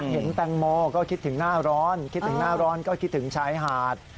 เห็นแตงโมก็คิดถึงหน้าร้อนคิดถึงหน้าร้อนก็คิดถึงชายหาด